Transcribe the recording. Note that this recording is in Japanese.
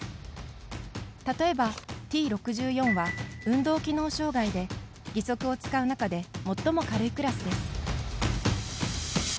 例えばＴ６４は運動機能障がいで義足を使う中で最も軽いクラスです。